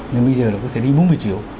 nhưng bây giờ có thể đi bốn mươi triệu